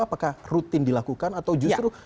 apakah rutin dilakukan atau justru